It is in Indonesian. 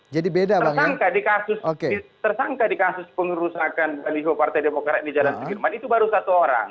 jadi tersangka di kasus pengurusakan baliho partai demokrat di jalan subirman itu baru satu orang